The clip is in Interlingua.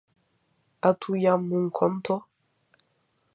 Ha tu jam un conto?